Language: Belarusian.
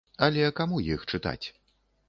Але каму іх чытаць?